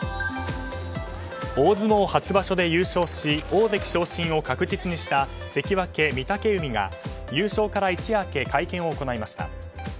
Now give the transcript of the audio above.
大相撲初場所で優勝し大関昇進を確実にした関脇・御嶽海が優勝から一夜明け会見を行いました。